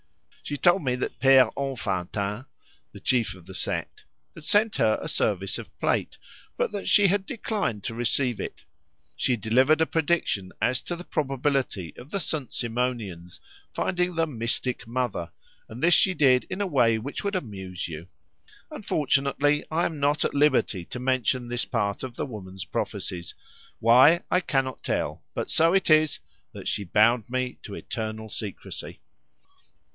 She told me that the Père Enfantin (the chief of the sect) had sent her a service of plate, but that she had declined to receive it. She delivered a prediction as to the probability of the St. Simonians finding the "mystic mother," and this she did in a way which would amuse you. Unfortunately I am not at liberty to mention this part of the woman's prophecies; why, I cannot tell, but so it is, that she bound me to eternal secrecy.